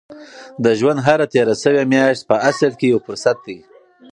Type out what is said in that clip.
د ژوند هره تېره شوې میاشت په اصل کې یو فرصت دی.